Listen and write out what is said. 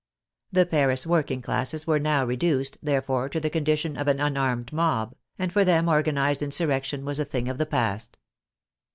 The Paris working classes were now reduced, there fore, to the condition of an unarmed mob, and for them organized insurrection was a thing of the past.